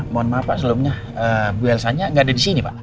mohon maaf pak sebelumnya bu elsa nya gak ada disini pak